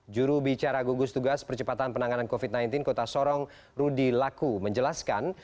juru bicara gugus tugas percepatan penanganan covid sembilan belas kota sorong rudy laku menjelaskan